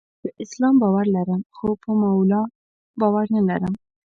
په اسلام باور لرم، خو په مولا باور نلرم.